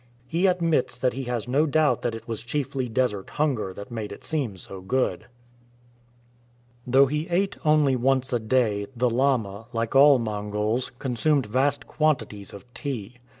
He admits that he has no doubt that it was chiefly desert hunger that made it seem so good. Though he ate only once a day, the lama, like all Mongols, consumed vast quantities of tea.